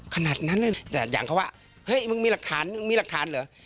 ขนาดนั้นแหละแต่อย่างเขาว่าเฮ้ยมึงมีหลักฐานเหรอ